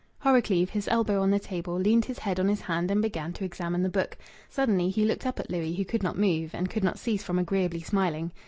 Horrocleave, his elbow on the table, leaned his head on his hand and began to examine the book. Suddenly he looked up at Louis, who could not move and could not cease from agreeably smiling.